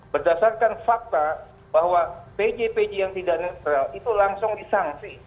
berdasarkan fakta bahwa pj pj yang tidak netral itu langsung disangsi